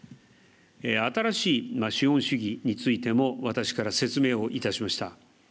新しい資本主義についても、私から説明をいたしました。